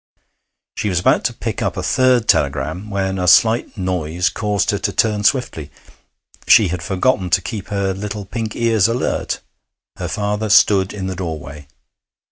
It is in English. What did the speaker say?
She was about to pick up a third telegram when a slight noise caused her to turn swiftly; she had forgotten to keep her little pink ears alert. Her father stood in the doorway.